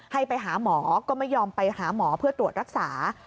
ให้ไปหาหมอก็ไม่ยอมไปหาหมอเพื่อตรวจรักษา